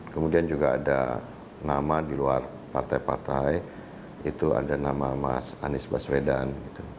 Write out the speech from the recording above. kemudian juga ada nama di luar partai partai itu ada nama mas anies baswedan